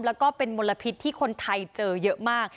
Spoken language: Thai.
แล้วก็เป็นมลพิษที่คนไทยเจอเยอะมาก